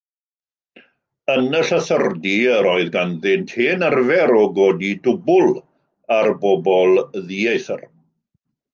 Yn y llythyrdy yr oedd ganddynt hen arfer o godi dwbl ar bobl ddieithr.